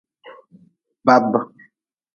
Bab.